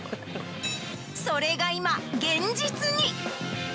それが今、現実に。